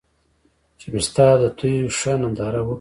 چې مې ستا د تېو ښه ننداره وکــړه